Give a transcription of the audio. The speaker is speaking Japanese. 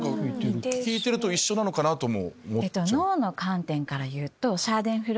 聞いてると一緒なのかなとも。